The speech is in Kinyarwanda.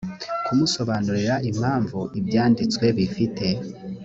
kumusobanurira impamvu ibyanditswe bifite